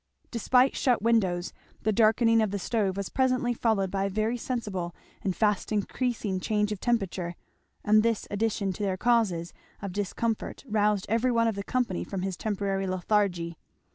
Despite shut windows, the darkening of the stove was presently followed by a very sensible and fast increasing change of temperature; and this addition to their causes of discomfort roused every one of the company from his temporary lethargy.